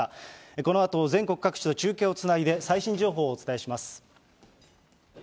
このあと全国各地と中継をつないで、最新情報をお伝えします。